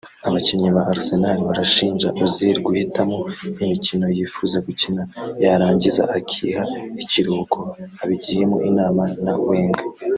Abakinnyi ba Arsenal barashinja Ozil guhitamo imikino yifuza gukina yarangiza akiha ikiruhuko abigiyemo inama na Wenger